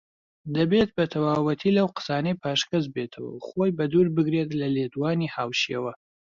دەبێت بەتەواوەتی لەو قسانەی پاشگەزبێتەوە و خۆی بە دوور بگرێت لە لێدوانی هاوشێوە